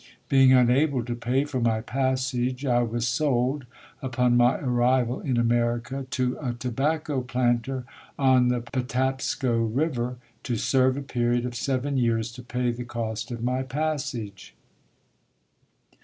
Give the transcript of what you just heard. Being unable to pay for my passage, I was sold, upon my arrival in America, to a tobacco planter on the Patapsco River to serve a period of seven years to pay the cost of my passage".